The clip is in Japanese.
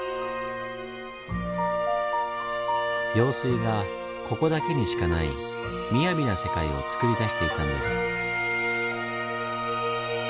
用水がここだけにしかない雅な世界をつくり出していたんです。